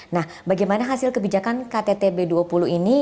nah bagaimana hasil kebijakan ktt b dua puluh ini